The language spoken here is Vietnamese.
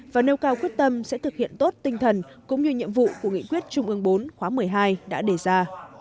và nêu cao quyết tâm sẽ thực hiện tốt tinh thần cũng như nhiệm vụ của nghị quyết trung ương bốn khóa một mươi hai đã đề ra